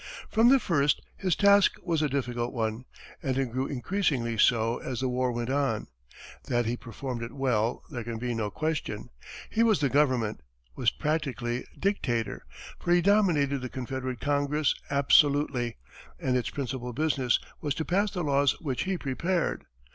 From the first, his task was a difficult one, and it grew increasingly so as the war went on. That he performed it well, there can be no question. He was the government, was practically dictator, for he dominated the Confederate Congress absolutely, and its principal business was to pass the laws which he prepared.